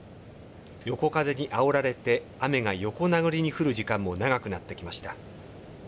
横風にあおられて、雨が横殴りに降る時間も長くなってきました。